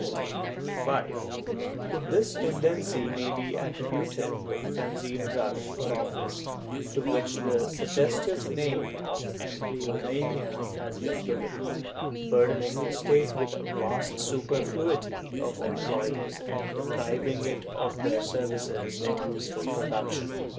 ^ To this tendency may be attributed the frenzied rush for office, to which the suggestive name of empleomania has been given, bur dening the State with a vast superfluity of employees and depriving it of their services in useful production.